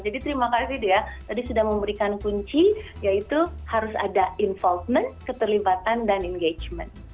jadi terima kasih dea tadi sudah memberikan kunci yaitu harus ada involvement keterlibatan dan engagement